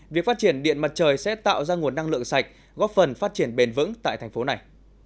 việc phát triển điện mặt trời sẽ tạo ra nguồn năng lượng sạch góp phần phát triển bền vững tại thành phố này